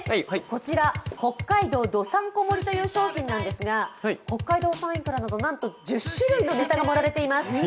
こちら、北海道どさんこ盛りという商品なんですが北海道産いくらなどなんと１０種類のネタが載せられています。